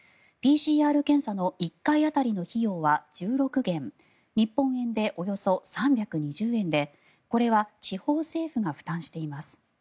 ＰＣＲ検査の１回当たりの費用は１６元日本円でおよそ３２０円でこれは地方政府が負担しています。